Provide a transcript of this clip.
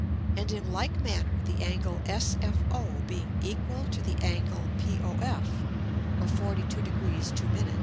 And in like manner the Angle SFO being equal to the Angle POF, or 42 Degr. 2 Min.